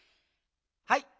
はい。